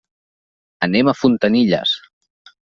Anem a Fontanilles.